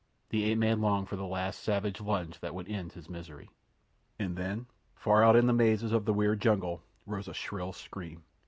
The ape man longed for the last savage lunge that would end his misery. And then, far out in the mazes of the weird jungle, rose a shrill scream.